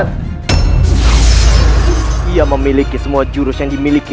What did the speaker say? dia memiliki semua jurus yang dimiliki